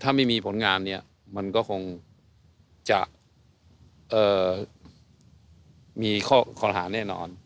ถ้าไม่มีผลงานแล้วมันก็คงมีข้อหาแน่นอน